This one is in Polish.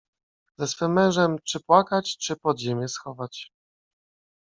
Ze swym mężem, czy płakać, czy pod ziemię schować.